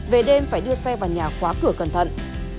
về đêm phải đưa xe vào nhà khóa cửa cẩn thận